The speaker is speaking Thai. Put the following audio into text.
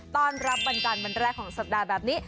ต้อนรับวันจันทร์วันแรกของสัปดาห์แบบนี้